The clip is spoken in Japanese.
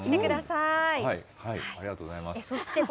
ありがとうございます。